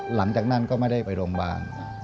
หลังจากนั้นก็ไม่ได้ไปโรงพยาบาล